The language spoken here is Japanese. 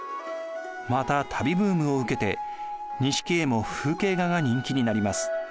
また旅ブームを受けて錦絵も風景画が人気になります。